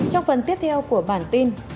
trong phần tiếp theo của bản tin